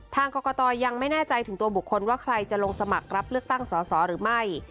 ทางกรกตยังไม่แน่ใจถึงตัวบุคคลว่าใครจะลงสมัครรับเลือกตั้งสอสอหรือไม่